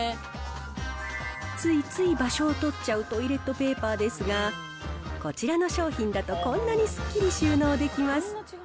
ついつい場所を取っちゃうトイレットペーパーですが、こちらの商品だとこんなにすっきり収納できます。